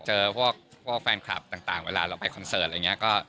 เจอพวกแฟนคลับต่างเวลาเราไปคอนเสิร์ตอะไรอย่างนี้